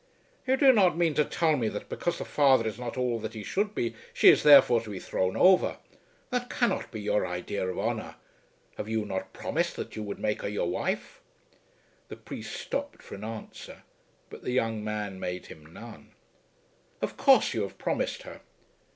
"You do not mean to tell me that because the father is not all that he should be, she is therefore to be thrown over. That cannot be your idea of honour. Have you not promised that you would make her your wife?" The priest stopped for an answer, but the young man made him none. "Of course you have promised her."